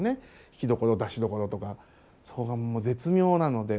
引きどころ出しどころとかそこが絶妙なので。